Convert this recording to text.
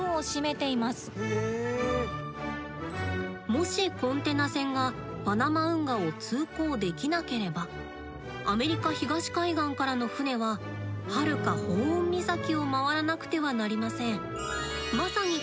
もしコンテナ船がパナマ運河を通行できなければアメリカ東海岸からの船ははるかホーン岬を回らなくてはなりません。